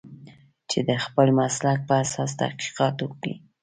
چې د خپل مسلک په اساس تحقیقات وکړي.